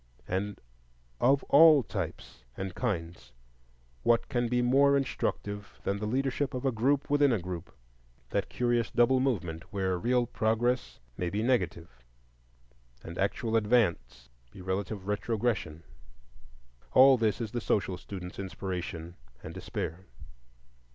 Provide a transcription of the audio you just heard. And of all types and kinds, what can be more instructive than the leadership of a group within a group?—that curious double movement where real progress may be negative and actual advance be relative retrogression. All this is the social student's inspiration and despair.